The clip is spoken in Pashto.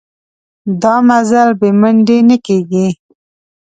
دا مزل بې منډې نه کېږي.